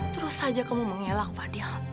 terus saja kamu mengelak fadil